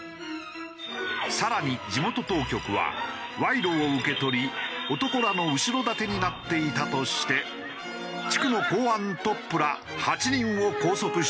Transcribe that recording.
更に地元当局は賄賂を受け取り男らの後ろ盾になっていたとして地区の公安トップら８人を拘束したと発表したのだ。